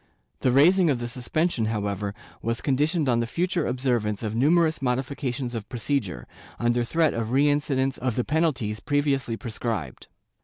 The raising of the suspension, however, was conditioned on the future obser vance of numerous modifications of procedure, under threat of reincidence of the penalties previously prescribed.